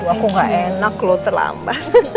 aku gak enak loh terlambat